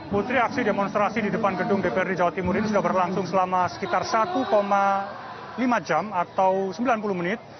putri aksi demonstrasi di depan gedung dprd jawa timur ini sudah berlangsung selama sekitar satu lima jam atau sembilan puluh menit